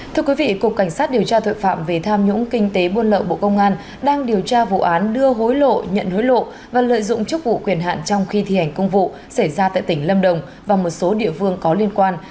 thưa quý vị cục cảnh sát điều tra tội phạm về tham nhũng kinh tế buôn lậu bộ công an đang điều tra vụ án đưa hối lộ nhận hối lộ và lợi dụng chức vụ quyền hạn trong khi thi hành công vụ xảy ra tại tỉnh lâm đồng và một số địa phương có liên quan